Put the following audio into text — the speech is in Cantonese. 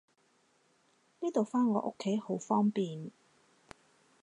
呢度返我屋企好方便